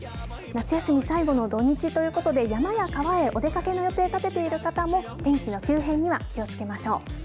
夏休み最後の土日ということで、山や川へお出かけの予定を立てている方も、天気の急変には気をつけましょう。